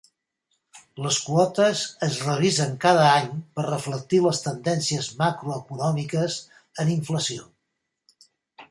Les quotes es revisen cada any per reflectir les tendències macroeconòmiques en inflació.